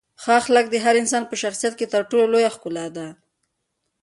ښه اخلاق د هر انسان په شخصیت کې تر ټولو لویه ښکلا ده.